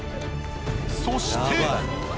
そして。